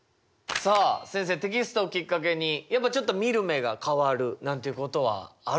さあ先生テキストをきっかけにやっぱちょっと見る目が変わるなんていうことはあるんですね。